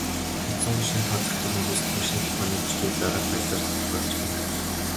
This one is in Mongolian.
Харьцангуй шинэд тооцогдох энэхүү салбар шинжлэх ухааныг орчин үед дараах байдлаар тодорхойлж байна.